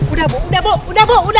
udah bu udah bu udah bu